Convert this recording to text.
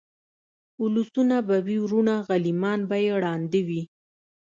اولسونه به وي وروڼه غلیمان به یې ړانده وي